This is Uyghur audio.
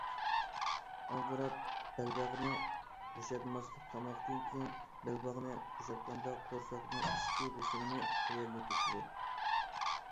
ئالدىراپ بەلباغنى بوشاتماسلىق: تاماقتىن كېيىن بەلباغنى بوشاتقاندا، قورساقنىڭ ئىچكى بېسىمىنى تۆۋەنلىتىۋېتىدۇ.